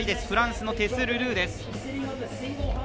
フランスのテス・ルドゥーです。